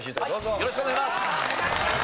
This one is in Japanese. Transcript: よろしくお願いします！